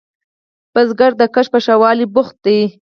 کروندګر د کښت په ښه والي بوخت دی